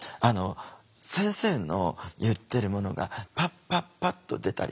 先生の言ってるものがパッパッパッと出たりとか。